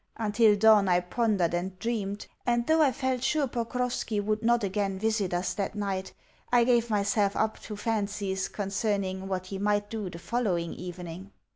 Until dawn I pondered and dreamed; and though I felt sure Pokrovski would not again visit us that night, I gave myself up to fancies concerning what he might do the following evening.